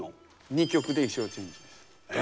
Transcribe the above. ２曲で衣装チェンジです。